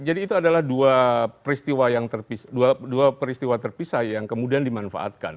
jadi itu adalah dua peristiwa terpisah yang kemudian dimanfaatkan